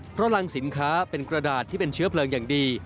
เพราะรังสินค้าเป็นกระดาษที่เป็นเชื้อเพลิงอย่างดี